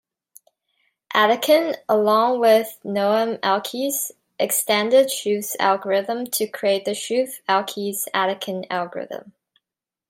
Atkin, along with Noam Elkies, extended Schoof's algorithm to create the Schoof-Elkies-Atkin algorithm.